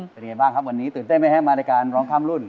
เป็นไงบ้างครับวันนี้ตื่นเต้นมั้ยฮะมารายการร้องคร่ำรุ่น